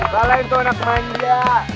balai untuk anak manja